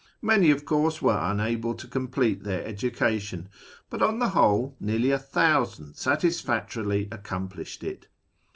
Many, of course, were unable to complete their education ; but, on the Avhole, nearly a thousand satisfactorily accomplished it.